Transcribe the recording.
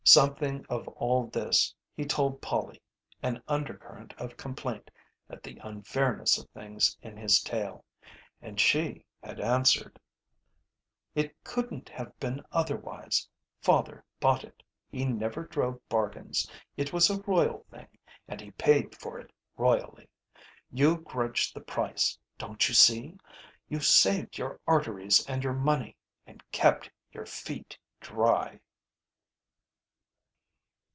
Something of all this he told Polly, an undercurrent of complaint at the unfairness of things in his tale. And she had answered: "It couldn't have been otherwise. Father bought it. He never drove bargains. It was a royal thing, and he paid for it royally. You grudged the price, don't you see. You saved your arteries and your money and kept your feet dry."